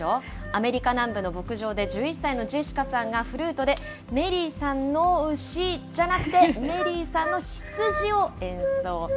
アメリカ南部の牧場で、１１歳のジェシカさんがフルートでメリーさんの牛、じゃなくて、メリーさんの羊を演奏。